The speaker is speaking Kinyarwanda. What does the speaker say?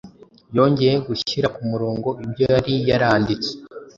yongeye gushyira ku murongo ibyo yari yaranditse,